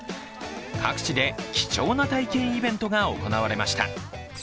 各地で貴重な体験イベントが行われました。